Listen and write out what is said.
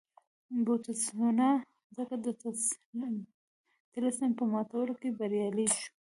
بوتسوانا ځکه د طلسم په ماتولو کې بریالۍ شوه.